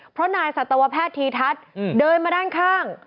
เพราะนายสัตวแพทย์ธีทัศน์เดินมาด้านข้าง